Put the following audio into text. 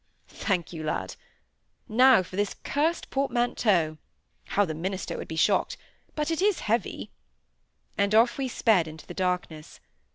"Thank you, lad. Now for this cursed portmanteau (how the minister would be shocked); but it is heavy!" and off we sped into the darkness.